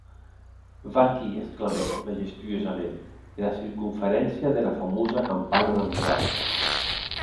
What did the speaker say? Vaquí, exclamèc majestuosament, era circonferéncia dera famosa campana d’Amboise.